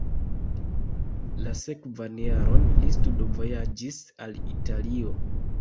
La sekvan jaron li studvojaĝis al Italio.